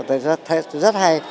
tôi thấy rất hay